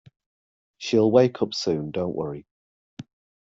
She’ll wake up soon, don't worry